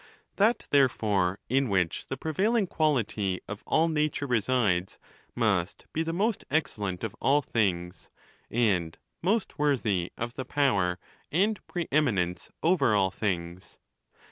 That, therefore, in which the prevailing quality of all nature re sides must be the most excellent of all things, and most worthy of the power and pre eminence over all things.